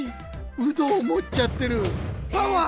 「うど」をもっちゃってるパワー！